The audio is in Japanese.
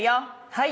はい。